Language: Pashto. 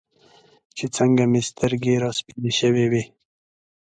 چې څنګه مې سترګې راسپینې شوې وې.